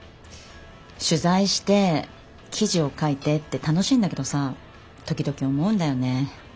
取材して記事を書いてって楽しいんだけどさ時々思うんだよね。